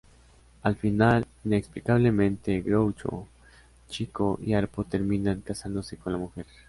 Al final, inexplicablemente, Groucho, Chico y Harpo terminan casándose con la mujer.